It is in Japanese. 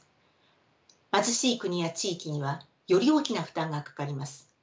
貧しい国や地域にはより大きな負担がかかります。